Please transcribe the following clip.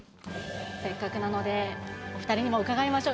せっかくなので、２人にも伺いましょう。